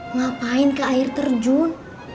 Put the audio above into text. ngapain ke air terjun